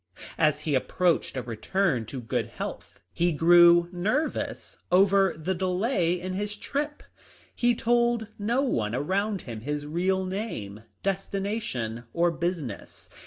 As he approached a return to good health he grew nervous over the delay in his trip. He told no one around him his real name, destination, or business.